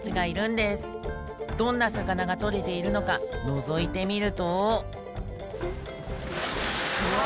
どんな魚が取れているのかのぞいてみるとうわ！